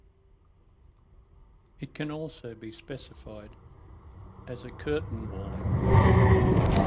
It can also be specified as a curtain walling.